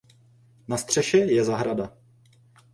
Na střeše je zahrada.